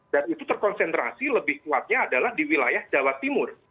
dan itu terkonsentrasi lebih kuatnya adalah di wilayah jawa timur